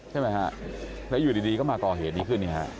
ใช่ไหมครับแล้วอยู่ดีก็มาก่อเหตุดีขึ้น